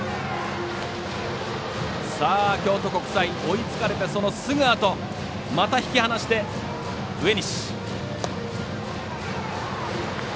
京都国際、追いつかれてそのすぐあとまた引き離して植西。